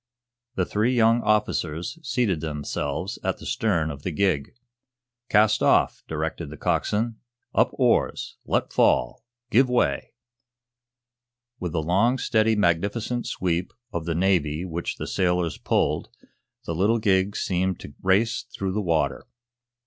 The three young officers seated themselves at the stern of the gig. "Cast off," directed the coxswain. "Up oars! Let fall! Give way!" With the long, steady, magnificent sweep of the Navy which the sailors pulled, the little gig seemed to race through the water.